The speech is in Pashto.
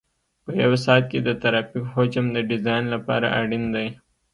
په یو ساعت کې د ترافیک حجم د ډیزاین لپاره اړین دی